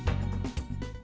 công an nhân dân việt nam